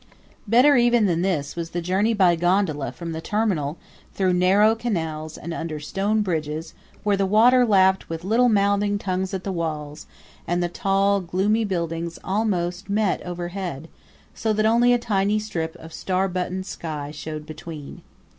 Better even than this was the journey by gondola from the terminal through narrow canals and under stone bridges where the water lapped with little mouthing tongues at the walls, and the tall, gloomy buildings almost met overhead, so that only a tiny strip of star buttoned sky showed between.